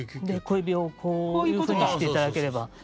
小指をこういうふうにしていただければ。